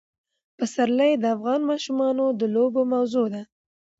پسرلی د افغان ماشومانو د لوبو موضوع ده.